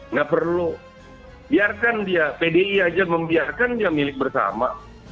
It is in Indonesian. nggak perlu biarkan dia pdi aja membiarkan dia milik bersama